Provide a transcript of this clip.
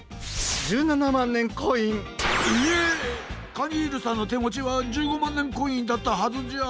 カニールさんのてもちは１５まんねんコインだったはずじゃ。